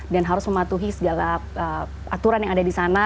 dan harus mematuhi segala aturan yang ada di sana